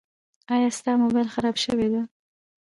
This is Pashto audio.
ایا ستا مبایل خراب شوی ده؟